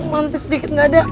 romantis sedikit nggak ada